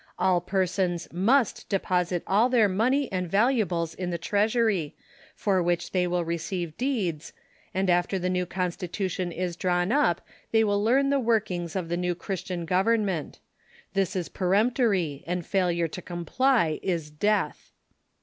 All persons must deposit all their money and valuables in the treasury, for wliich they will receive deeds, and after the new constitution is drawn up they will learn the workings of the new Christian government. This is peremptory, and failure to comply is death.